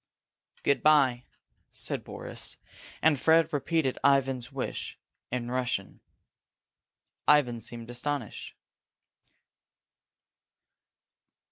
"Good bye," said Boris, and Fred repeated Ivan's wish in Russian. Ivan seemed astonished.